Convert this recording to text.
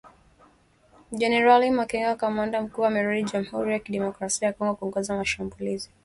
Jenerali Makenga kamanda mkuu amerudi jamhuri ya kidemokrasia ya Kongo kuongoza mashambulizi